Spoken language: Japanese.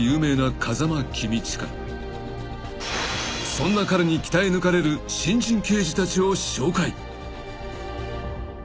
［そんな彼に鍛え抜かれる新人刑事たちを紹介］